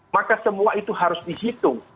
maka semua itu harus dihitung